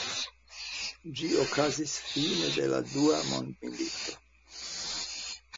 Ĝi okazis fine de la dua mondmilito.